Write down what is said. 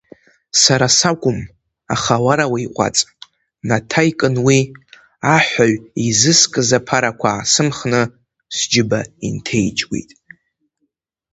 Сара сакәым, аха уара уиҟәаҵ, наҭаикын уи, аҳәаҩ изыскыз аԥарақәа аасымхны, сџьыба инҭеиџьгәеит.